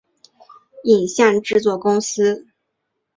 影像制作公司